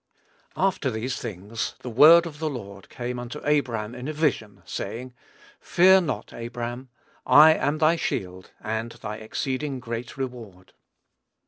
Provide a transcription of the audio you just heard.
"After these things, the word of the Lord came unto Abram in a vision, saying, Fear not, Abram. I am thy shield, and thy exceeding great reward."